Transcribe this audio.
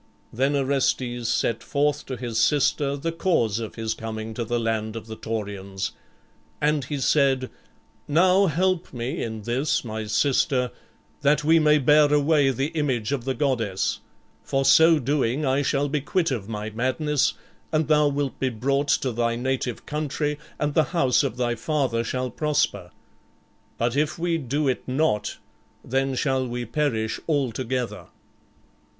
Then Orestes set forth to his sister the cause of his coming to the land of the Taurians. And he said, "Now help me in this, my sister, that we may bear away the image of the goddess; for so doing I shall be quit of my madness, and thou wilt be brought to thy native country and the house of thy father shall prosper. But if we do it not, then shall we perish altogether."